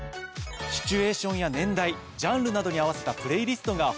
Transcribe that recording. シチュエーションや年代ジャンルなどに合わせたプレイリストが豊富なんですよね。